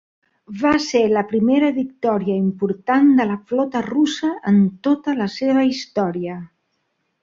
Va ser la primera victòria important de la flota russa en tota la seva història.